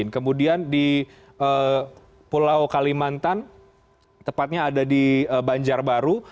kemudian di pulau kalimantan tepatnya ada di banjarbaru